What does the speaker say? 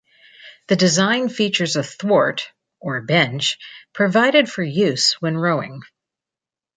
The design features a thwart, or bench, provided for use when rowing.